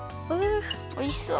おいしそう。